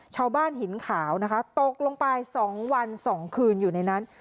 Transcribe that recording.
ชาวบ้านหินขาวนะคะตกลงไป๒วัน๒คืนอยู่ในนั้น